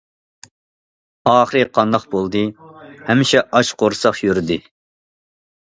ئاخىرى قانداق بولدى؟ ھەمىشە ئاچ قورساق يۈردى.